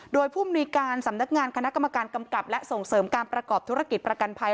โดยผู้มนุยการสำนักงานคณะกรรมการกำกับและส่งเสริมการประกอบธุรกิจประกันภัย